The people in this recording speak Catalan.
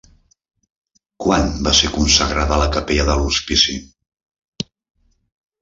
Quan va ser consagrada la capella de l'hospici?